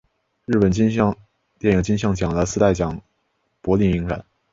日本电影金像奖蓝丝带电影奖柏林影展